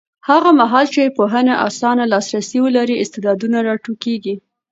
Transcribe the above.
هغه مهال چې پوهنه اسانه لاسرسی ولري، استعدادونه راټوکېږي.